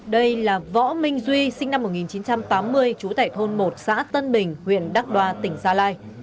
đây là võ minh duy sinh năm một nghìn chín trăm tám mươi chú tải thôn một xã tân bình huyện đắc đoa tỉnh gia lai